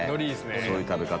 そういう食べ方。